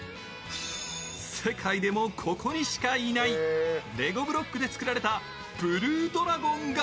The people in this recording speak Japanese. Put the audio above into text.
世界でもここにしかいない、レゴブロックで作られたブルードラゴンが。